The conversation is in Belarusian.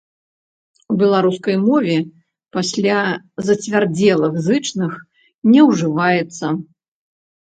У беларускай мове пасля зацвярдзелых зычных не ўжываецца.